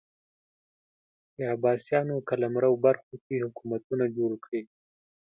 د عباسیانو قلمرو برخو کې حکومتونه جوړ کړي